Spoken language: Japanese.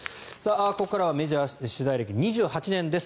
ここからはメジャー取材歴２８年です。